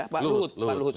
pak luhut pak luhut